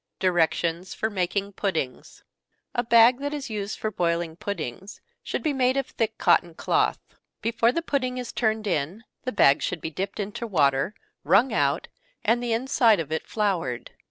Directions for making Puddings. A bag that is used for boiling puddings, should be made of thick cotton cloth. Before the pudding is turned in, the bag should be dipped into water, wrung out, and the inside of it floured.